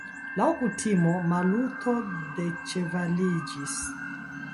Laŭ kutimo Maluto deĉevaliĝis.